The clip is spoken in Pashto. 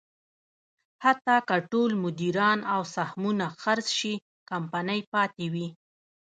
حتی که ټول مدیران او سهمونه خرڅ شي، کمپنۍ پاتې وي.